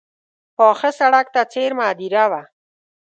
پاخه سړک ته څېرمه هدیره وه.